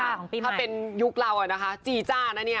ถ้าเป็นยุคเราอะนะคะจีจ้านะเนี่ย